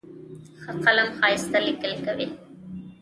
ښه قلم ښایسته لیکل کوي.